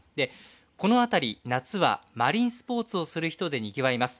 この辺り夏はマリンスポーツをする人でにぎわいます。